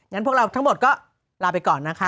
งั้นพวกเราทั้งหมดก็ลาไปก่อนนะครับ